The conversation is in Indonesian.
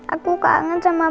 aku kangen sama bapak